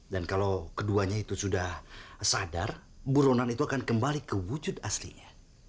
dan kalau keduanya itu sudah sadar burunan itu akan kembali ke wujud aslinya